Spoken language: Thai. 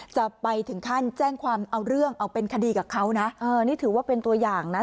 จะไปถึงขั้นแจ้งความเอาเรื่องเอาเป็นคดีกับเขานะเออนี่ถือว่าเป็นตัวอย่างนะ